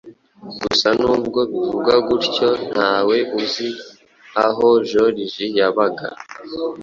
Gusa nubwo bivugwa gutyo, ntawe uzi aho Joriji yabaga